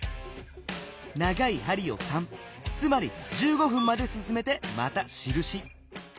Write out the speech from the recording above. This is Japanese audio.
長い針を３つまり１５分まですすめてまたしるし。